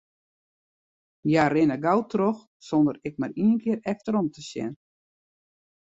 Hja rinne gau troch, sonder ek mar ien kear efterom te sjen.